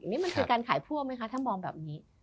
นี่มันคือการขายพวกไหมคะถ้ามองแบบนี้